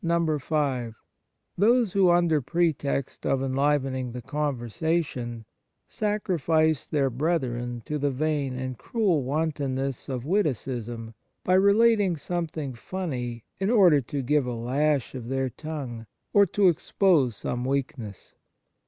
(5) Those who, under pretext of enlivening the con versation, sacrifice their brethren to the vain and cruel wantonness of witticism by relating something funny in order to give a lash of their tongue or to expose some weakness.